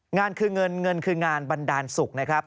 งานคือเงินเงินคืองานบันดาลสุขนะครับ